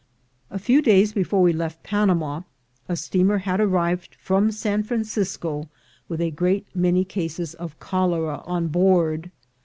A few days before we left Panama, a steamer had arrived from San Francisco with a great many cases of cholera on board.